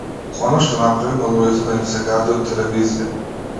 Она што направи на луѓето да им се гади од телевизија.